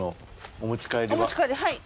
お持ち帰りはい。